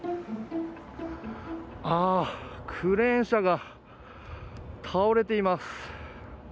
ああ、クレーン車が倒れています